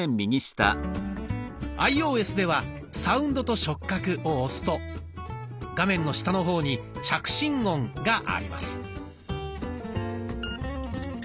アイオーエスでは「サウンドと触覚」を押すと画面の下の方に「着信音」があります。